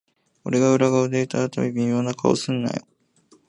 俺が裏声で歌うたび、微妙な顔すんなよ